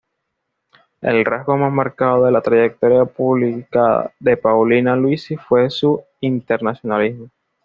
El rasgo más marcado de la trayectoria pública de Paulina Luisi fue su internacionalismo.